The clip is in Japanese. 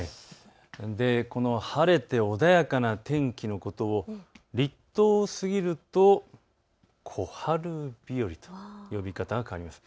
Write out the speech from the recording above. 晴れて穏やかな天気のことを立冬を過ぎると小春日和と呼び方が変わります。